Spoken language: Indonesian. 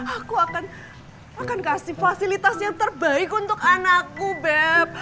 aku akan kasih fasilitas yang terbaik untuk anakku bep